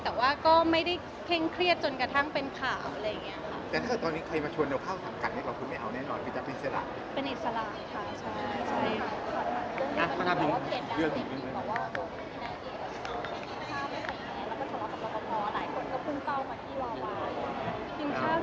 แต่ว่าก็ไม่ได้เข้งเครียดจนกระทั้งเป็นข่าว